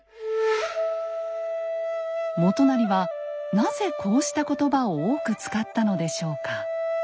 元就はなぜこうした言葉を多く使ったのでしょうか？